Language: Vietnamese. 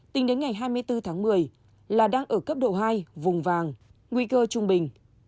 tính đến ngày hai mươi bốn tháng một mươi là đang ở cấp độ hai vùng vàng nguy cơ trung bình